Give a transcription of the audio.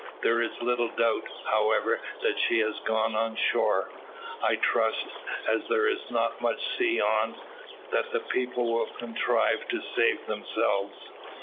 There is little doubt, however, that she has gone on shore. I trust, as there is not much sea on, that the people will contrive to save themselves."